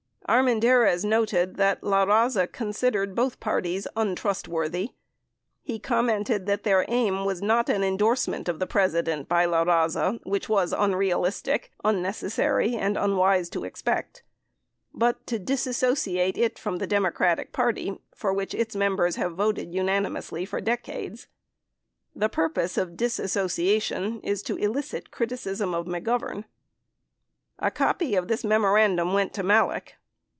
39 Armendariz noted that La Raza con sidered both parties "untrustworthy." He commented that their aim was not an endorsement of the President by La Raza which was "un realistic, unnecessary, and unwise to expect" — but "to disassociate it from the Democratic Party for which its members have voted unani mously for decades . The purpose of disassociation is to elicit criticism of McGovern." A copy of this memorandum went to Malek.